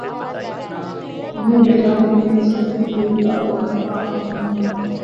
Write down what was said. میں یہ جاننے کے لیے سیرت کی کوئی کتاب اٹھاتا ہوں۔